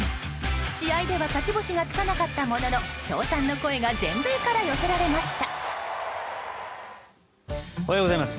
試合では勝ち星がつかなかったものの称賛の声が全米から寄せられました。